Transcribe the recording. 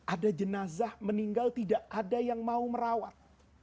ada jenazah meninggal tidak ada yang mau merawat